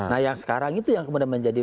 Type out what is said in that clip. nah yang sekarang itu yang kemudian menjadi